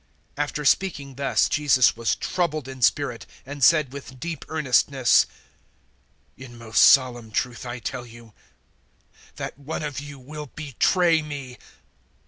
013:021 After speaking thus Jesus was troubled in spirit and said with deep earnestness, "In most solemn truth I tell you that one of you will betray me."